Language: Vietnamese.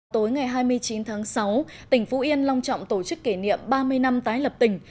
tối ngày hai mươi chín tháng sáu tỉnh phú yên long trọng tổ chức kỷ niệm ba mươi năm tái lập tỉnh